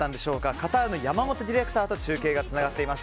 カタールの山本ディレクターと中継がつながっています。